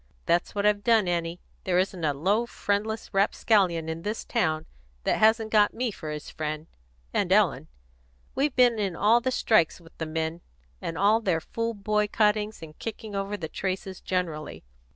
That's what I've done, Annie. There isn't any low, friendless rapscallion in this town that hasn't got me for his friend and Ellen. We've been in all the strikes with the men, and all their fool boycottings and kicking over the traces generally.